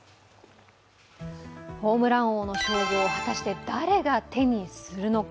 ホームラン王の称号を果たして誰が手にするのか。